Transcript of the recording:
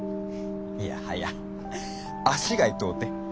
いやはや足が痛うて。